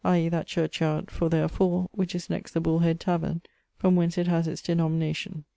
that churchyard (for there are four) which is next the Bullhead taverne, from whence it has its denomination.